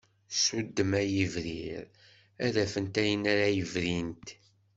Ssuddem a yibrir, ad afent ayen ara brint.